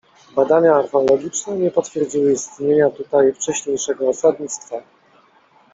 Badania archeologiczne nie potwierdziły istnienia tutaj wcześniejszego osadnictwa.